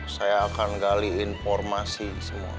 saya akan gali informasi semua